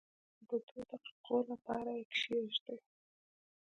د دوو دقیقو لپاره یې کښېږدئ.